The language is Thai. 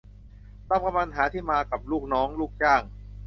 ระวังปัญหาที่มากับลูกน้องลูกจ้าง